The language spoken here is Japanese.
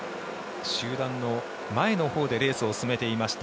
集団の前のほうでレースを進めていました。